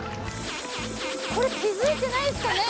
これ気づいてないんですかね？